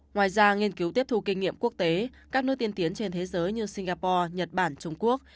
ngoài ra nghiên cứu tiếp thu kinh nghiệm quốc tế các nước tiên tiến trên thế giới như singapore nhật bản trung quốc